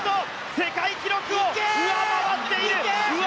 世界記録を上回っている！